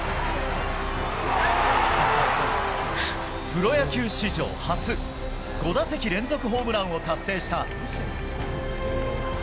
プロ野球史上初、５打席連続ホームランを達成した。